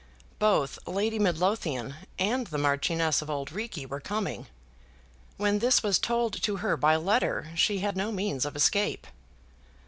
Both Lady Midlothian and the Marchioness of Auld Reekie were coming. When this was told to her by letter she had no means of escape.